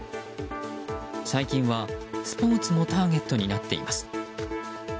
最近は、スポーツもターゲットになっています。